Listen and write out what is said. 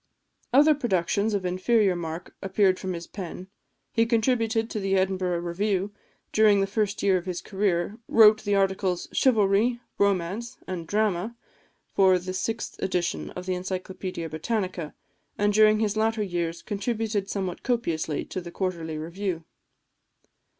Other productions of inferior mark appeared from his pen; he contributed to the Edinburgh Review, during the first year of its career; wrote the articles, "Chivalry," "Romance," and "Drama," for the sixth edition of the Encyclopædia Britannica; and during his latter years contributed somewhat copiously to the Quarterly Review.